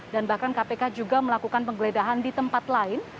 dan bahkan kpk juga melakukan penggeledahan di tempat lain